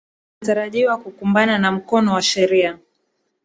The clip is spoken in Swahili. wanatarajiwa kukumbana na mkono wa sheria